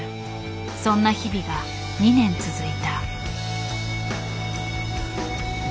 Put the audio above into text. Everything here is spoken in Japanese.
そんな日々が２年続いた。